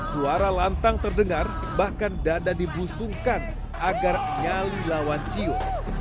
suara lantang terdengar bahkan dada dibusungkan agar nyali lawan ciut